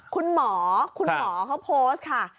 คุณหมอเค้าโพสต์ค่ะ